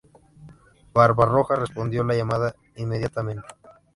Barbarroja respondió la llamada inmediatamente.